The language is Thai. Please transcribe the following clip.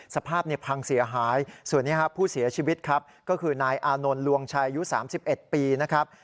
สภาพพังเสียหายส่วนนี้ครับผู้เสียชีวิตครับก็คือนายอานนท์ลวงชัยอายุ๓๑ปีนะครับ